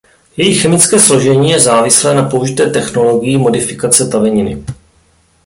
Jejich chemické složení je závislé na použité technologii modifikace taveniny.